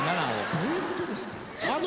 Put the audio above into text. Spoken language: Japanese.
どういう事ですか？